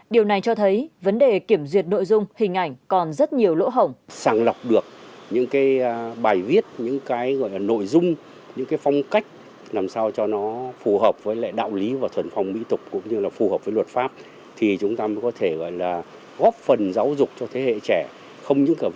điều này cho thấy vấn đề kiểm duyệt nội dung hình ảnh còn rất nhiều lỗ hổng